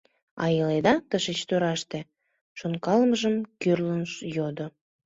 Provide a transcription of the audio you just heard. — А иледа тышеч тораште? — шонкалымыжым кӱрлын, йодо.